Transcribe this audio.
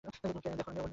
দেখ আমি অমন নই।